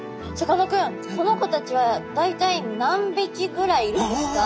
この子たちは大体何匹ぐらいいるんですか？